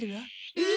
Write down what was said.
えっ？